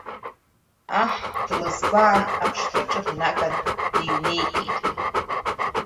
Аҳ длызгәаан аҽҭраҿы днаган дыҩнеикт.